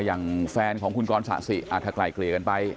อย่างแฟนของคุณกรศาสิถ้าไกลเกลี่ยกันไป